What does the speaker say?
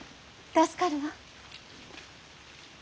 助かるわ。